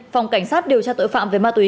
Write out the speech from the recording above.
phòng cảnh sát điều tra tội phạm về ma túy